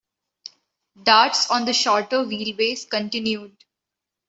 Darts on the shorter wheelbase continued.